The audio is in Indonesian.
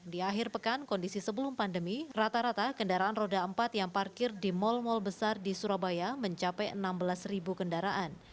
di akhir pekan kondisi sebelum pandemi rata rata kendaraan roda empat yang parkir di mal mal besar di surabaya mencapai enam belas kendaraan